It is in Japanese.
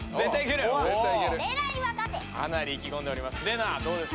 かなりいきごんでおります。